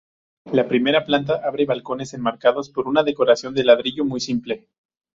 La primera planta abre balcones enmarcados por una decoración de ladrillo muy simple.